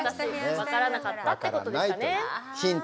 分からなかったってことでしたね。